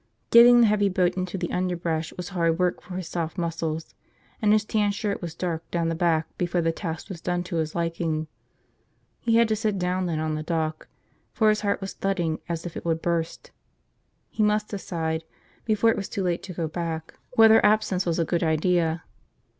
Getting the heavy boat into the underbrush was hard work for his soft muscles, and his tan shirt was dark down the back before the task was done to his liking. He had to sit down then on the dock, for his heart was thudding as if it would burst. He must decide, before it was too late to go back, whether absence was a good idea.